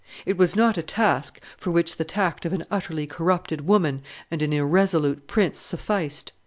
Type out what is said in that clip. It was not a task for which the tact of an utterly corrupted woman and an irresolute prince sufficed.